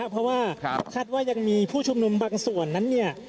เพราะว่าคาดว่ายังมีผู้ชุมนุมบางส่วนนั้นเนี่ย